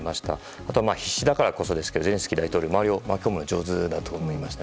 あとは、必死だからこそゼレンスキー大統領は周りを巻き込むのが上手だと思いました。